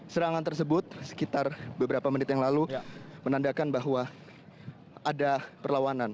serangan tersebut sekitar beberapa menit yang lalu menandakan bahwa ada perlawanan